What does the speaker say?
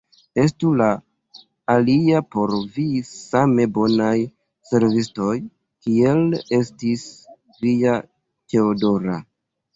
Estu la aliaj por vi same bonaj servistoj, kiel estis via Teodora!